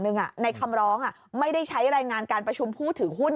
หนึ่งอ่ะในคำร้องอ่ะไม่ได้ใช้รายงานการประชุมพูดถึงหุ้น